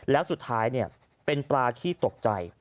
แล้วสุดท้ายเป็นปลาขี้ตกใจ